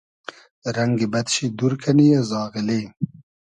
رئنگی بئد شی دور کئنی از آغیلی